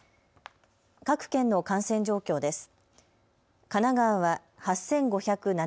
各県の感染状況です。